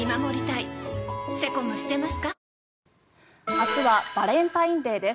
明日はバレンタインデーです。